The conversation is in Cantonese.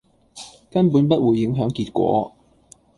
根本不會影響結果